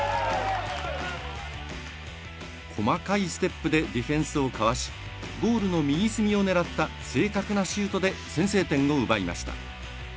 細かいステップでディフェンスをかわしゴールの右隅を狙った正確なシュートで先制点を奪いました。